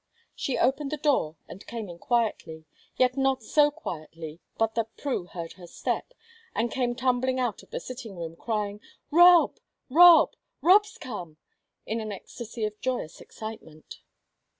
She opened the door and came in quietly, yet not so quietly but that Prue heard her step, and came tumbling out of the sitting room, crying: "Rob, Rob! Rob's come!" in an ecstasy of joyous excitement.